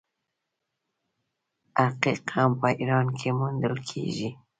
عقیق هم په ایران کې موندل کیږي.